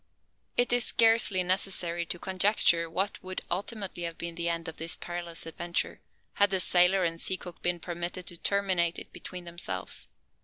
It is scarcely necessary to conjecture what would ultimately have been the end of this perilous adventure, had the sailor and sea cook been permitted to terminate it between themselves.